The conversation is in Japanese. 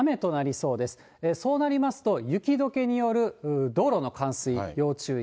そうなりますと、雪どけによる道路の冠水が要注意。